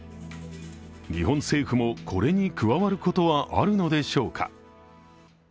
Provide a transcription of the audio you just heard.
日本政府もこれに加わることはあるのでしょうか。